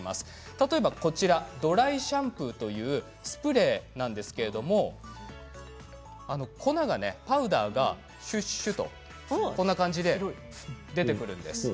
例えば、ドライシャンプーというスプレーなんですけれどもパウダーがシュシュと出てくるんです。